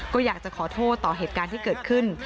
ก็อยากจะขอโทษต่อเหตุการณ์ที่เกิดขึ้น